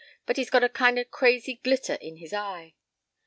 But he's got a kind o' crazy glitter in his eye.